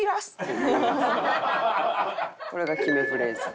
これが決めフレーズ。